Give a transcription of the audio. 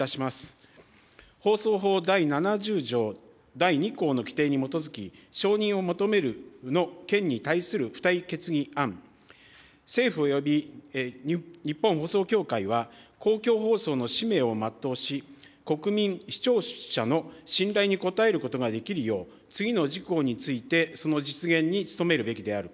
第２項の規定に基づき、承認を求めるの件に対する付帯決議案、政府および日本放送協会は、公共放送の使命を全うし、国民・視聴者の信頼に応えることができるよう、次の事項について、その実現に努めるべきである。